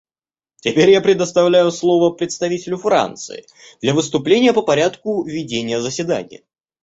Теперь я предоставляю слово представителю Франции для выступления по порядку ведения заседания.